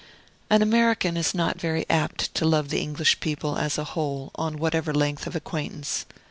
An American is not very apt to love the English people, as a whole, on whatever length of acquaintance.